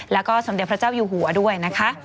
แล้วก็สมเด็จพระเจ้าอยู่หัวด้วยนะคะ